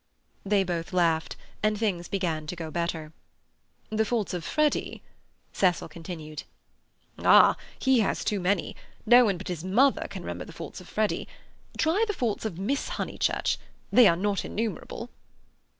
They both laughed, and things began to go better. "The faults of Freddy—" Cecil continued. "Ah, he has too many. No one but his mother can remember the faults of Freddy. Try the faults of Miss Honeychurch; they are not innumerable."